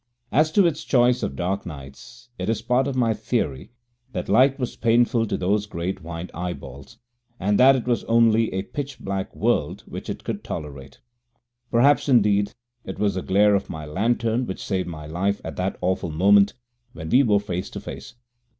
As to its choice of dark nights, it is part of my theory that light was painful to those great white eyeballs, and that it was only a pitch black world which it could tolerate. Perhaps, indeed, it was the glare of my lantern which saved my life at that awful moment when we were face to face.